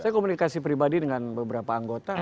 saya komunikasi pribadi dengan beberapa anggota